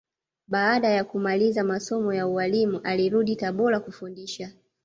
Baada ya kumaliza masomo ya ualimu alirudi Tabora kufundisha